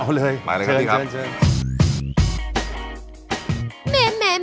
เอาเลยไปเลยครับ